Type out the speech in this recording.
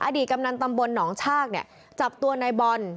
กำนันตำบลหนองชากเนี่ยจับตัวนายบอล